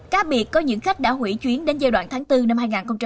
cá biệt có những khách đã hủy chuyến đến giai đoạn tháng bốn năm hai nghìn hai mươi